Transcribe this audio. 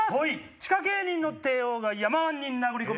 地下芸人の帝王が山ー１に殴り込み。